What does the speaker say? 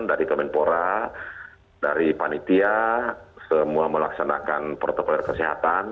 dari kemenpora dari panitia semua melaksanakan protokol kesehatan